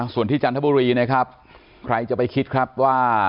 ส่วนที่จันทบุรีนะครับใครจะไปคิดครับว่า